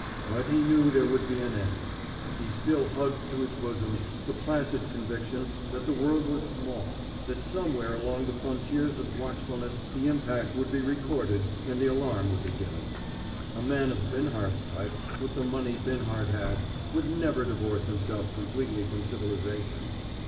But he knew there would be an end. He still hugged to his bosom the placid conviction that the world was small, that somewhere along the frontiers of watchfulness the impact would be recorded and the alarm would be given. A man of Binhart's type, with the money Binhart had, would never divorce himself completely from civilization.